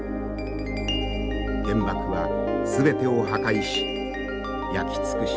原爆は全てを破壊し焼き尽くします。